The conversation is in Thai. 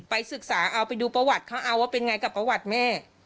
ศึกษาเอาไปดูประวัติเขาเอาว่าเป็นไงกับประวัติแม่